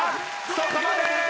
そこまでー！